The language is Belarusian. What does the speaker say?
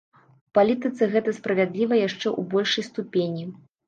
У палітыцы гэта справядліва яшчэ ў большай ступені.